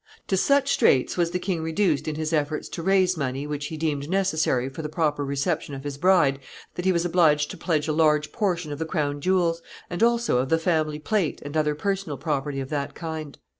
To such straits was the king reduced in his efforts to raise the money which he deemed necessary for the proper reception of his bride, that he was obliged to pledge a large portion of the crown jewels, and also of the family plate and other personal property of that kind.